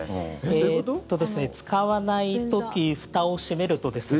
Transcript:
使わない時ふたを閉めるとですね。